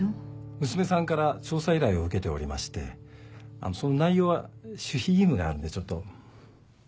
娘さんから調査依頼を受けておりましてあのその内容は守秘義務があるんでちょっと。